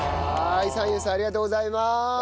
三友さんありがとうございます。